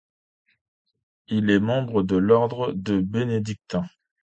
Il est membre de l'ordre de bénédictins.